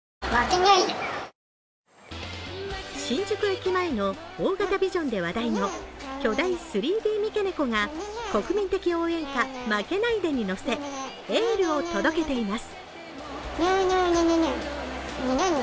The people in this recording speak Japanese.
新宿駅前の大型ビジョンで話題の巨大３Ｄ三毛猫が国民的応援歌「負けないで」に乗せエールを届けています。